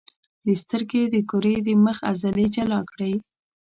د سترګې د کرې د مخ عضلې جلا کړئ.